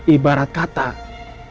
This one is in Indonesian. ibarat kata udah keluar dari rumahnya